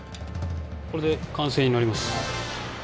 これで完成になります。